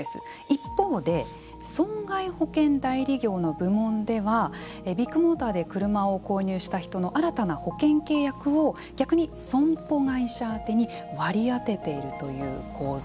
一方で損害保険代理業の部門ではビッグモーターで車を購入した人の新たな保険契約を逆に損保会社宛てに割り当てているという構図。